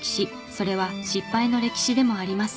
それは失敗の歴史でもあります。